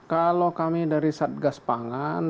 kalau kami dari satgas pangan